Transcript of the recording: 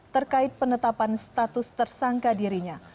terkait penetapan status tersangka dirinya